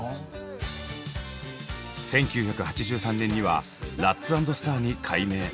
１９８３年には「ラッツ＆スター」に改名。